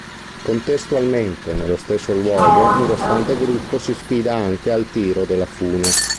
Contestualmente, nello stesso luogo un restante gruppo si sfida anche al "tiro della fune".